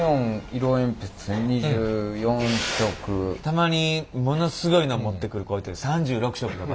たまにものすごいの持ってくる子いて３６色とか。